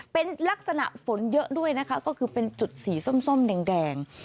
เป็นลักษณะฝนเยอะด้วยนะคะก็คือเป็นจุดสีส้มแดง